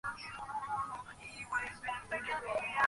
তিনি আব্বাসীয় গুপ্তচরের হাতে বিষপ্রয়োগে নিহত হন।